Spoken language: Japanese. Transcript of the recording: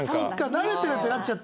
慣れてるってなっちゃって。